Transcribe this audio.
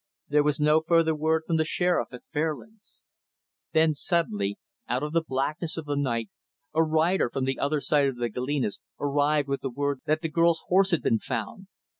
There was no further word from the Sheriff at Fairlands. Then suddenly, out of the blackness of the night, a rider from the other side of the Galenas arrived with the word that the girl's horse had been found.